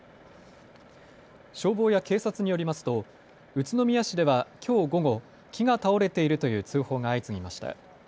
消防や警察によりますと宇都宮市ではきょう午後、木が倒れているという通報が相次ぎました。